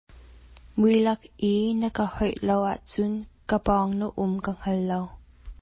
Mui lak i na ka hoih lo ahcun ka pawng na um ka hngal lo.